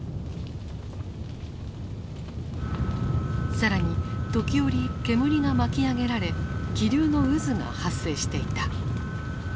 更に時おり煙が巻き上げられ気流の渦が発生していた。